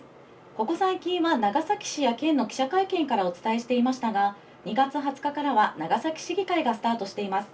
ここ最近は長崎市や県の記者会見からお伝えしていましたが２月２０日からは長崎市議会がスタートしています。